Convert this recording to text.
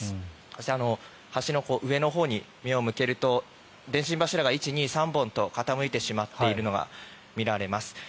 そして橋の上のほうに目を向けると電信柱が１、２、３本傾いてしまっているのが見られます。